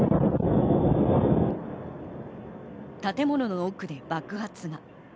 建物の奥で爆発が。